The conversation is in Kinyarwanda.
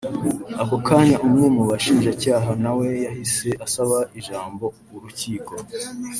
Ako kanya umwe mu bashinjacya nawe yahise asaba ijambo Urukiko